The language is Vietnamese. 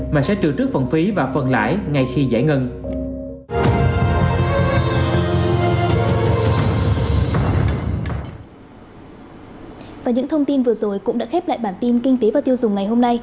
mà sẽ trừ trước phần phí và phần lãi ngay khi giải ngân